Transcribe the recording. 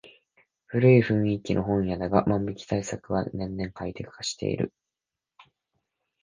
古い雰囲気の本屋だが万引き対策は年々ハイテク化している